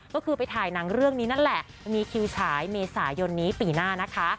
ก็คือไปถ่ายหนังเรื่องนี้นั่นแหละมีคิวฉายเมษายนนี้ปีหน้านะคะ